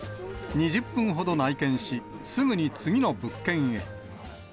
２０分ほど内見し、すぐに次の物件へ。